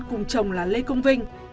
cùng chồng là lê công vinh